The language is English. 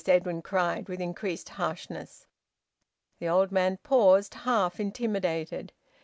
Edwin cried, with increased harshness. The old man paused, half intimidated.